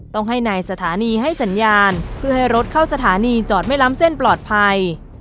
ต้องให้นายสถานีให้สัญญาณเพื่อให้รถเข้าสถานีจอดไม่ล้ำเส้นปลอดภัย